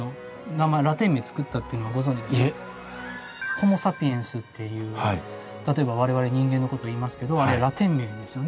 ホモ・サピエンスっていう例えば我々人間のこといいますけどあれラテン名ですよね。